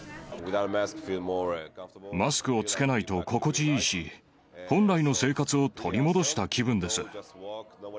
マスクを着けないと心地いいし、本来の生活を取り戻した気分です。